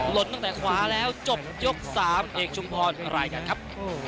ตั้งแต่ขวาแล้วจบยก๓เอกชุมพรอะไรกันครับ